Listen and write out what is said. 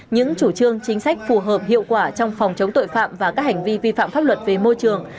những chủ trương chính sách phù hợp hiệu quả trong phòng chống tội phạm và các hành vi vi phạm pháp luật về môi trường